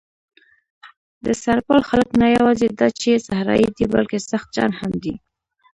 د سرپل خلک نه یواځې دا چې صحرايي دي، بلکې سخت جان هم دي.